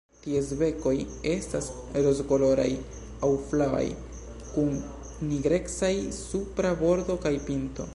Ties bekoj estas rozkoloraj aŭ flavaj kun nigrecaj supra bordo kaj pinto.